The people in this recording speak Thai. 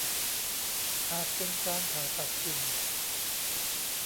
อาจเป็นการผ่าตัดจริง